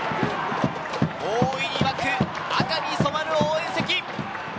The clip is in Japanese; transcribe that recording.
大いに沸く、赤に染まる応援席。